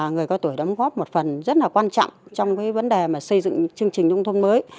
người cao tuổi đóng góp một phần rất là quan trọng trong vấn đề mà xây dựng chương trình nông thôn mới